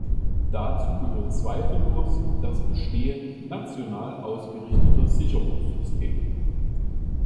Dazu gehört zweifellos das Bestehen national ausgerichteter Sicherungssysteme.